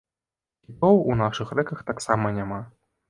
Кітоў у нашых рэках таксама няма.